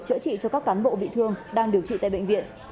chữa trị cho các cán bộ bị thương đang điều trị tại bệnh viện